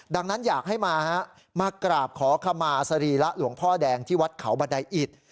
ดังนั้นอยากให้มาฮะมากราบขอขมาสรีระหลวงพ่อแดงที่วัดเขาบันไดอิต